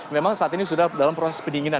memang saat ini sudah dalam proses pendinginan